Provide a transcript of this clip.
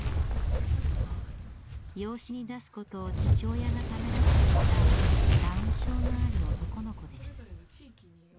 養子に出すことを父親がためらっていたダウン症のある男の子です。